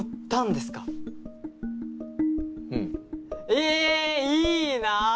えいいなぁ！